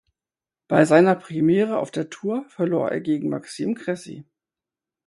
Bei seiner Premiere auf der Tour verlor er gegen Maxime Cressy.